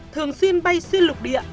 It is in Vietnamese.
thường xuyên bay xuyên lục địa